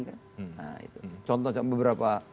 nah itu contoh beberapa